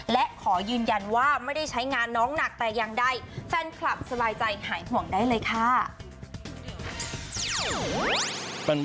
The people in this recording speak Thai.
และขอยืนยันว่าไม่ได้ใช้งานน้องหนักแต่อย่างใดแฟนคลับสบายใจหายห่วงได้เลยค่ะ